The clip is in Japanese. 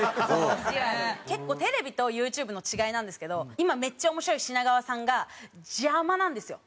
結構テレビとユーチューブの違いなんですけど今めっちゃ面白い品川さんが邪魔なんですよ。